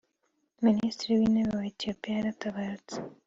minisitiri w’intebe wa Etiyopiya yaratabarutse